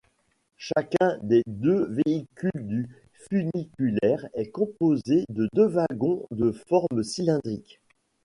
Chacun des deux véhicules du funiculaire est composé de deux wagons de forme cylindriques.